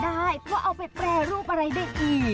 ได้เพราะเอาไปแปรรูปอะไรได้อีก